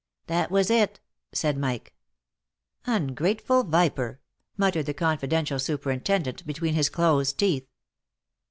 "That was it," said Mike. 61 Ungrateful viper !" muttered the confidential superintendent between his closed teeth.